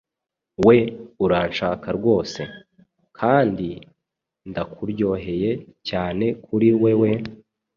We. Uranshaka rwose? Kandi ndakuryoheye cyane kuri wewe?